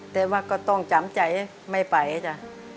แต่ว่าก็ต้องจำใจไม่ไปจ้ะ